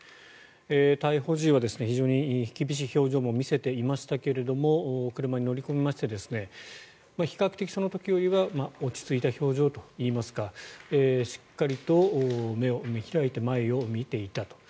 逮捕時は非常に厳しい表情も見せていましたが車に乗り込みまして比較的、その時よりは落ち着いた表情といいますかしっかりと目を見開いて前を見ていたと。